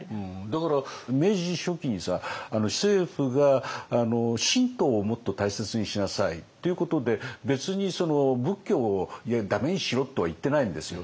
だから明治初期に政府が神道をもっと大切にしなさいっていうことで別に仏教を駄目にしろとは言ってないんですよ。